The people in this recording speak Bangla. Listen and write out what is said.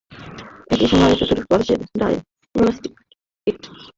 একই সময়ে চতুর্থ বর্ষের diagnostic kit and test organism বিষয়ের ক্লাস রয়েছে।